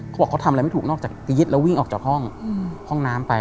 เขาบอกเขาทำอะไรไม่ถูกนอกจากจะยึดแล้ววิ่งออกจากห้องห้องน้ำไป